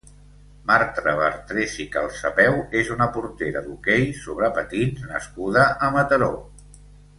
Marta Bartrès i Calsapeu és una portera d'hoquei sobre patins nascuda a Mataró.